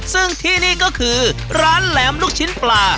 ซึ่งที่นี่ก็คือร้านแหลมลูกชิ้นปลา